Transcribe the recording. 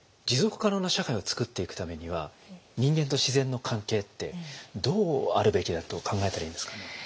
持続可能な社会を作っていくためには人間と自然の関係ってどうあるべきだと考えたらいいんですかね？